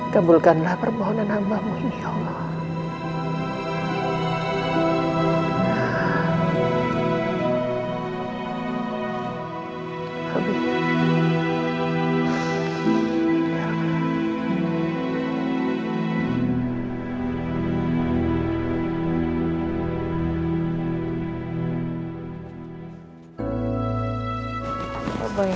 kembulkanlah permohonan amamu ini ya allah